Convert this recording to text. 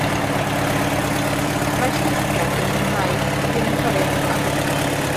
Mae'r saethiad yn parhau, cyn torri allan.